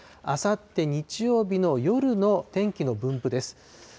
あさって日曜日の夜の天気の分布です。